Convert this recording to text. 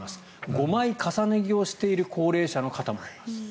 ５枚重ね着をしている高齢者の方もいます。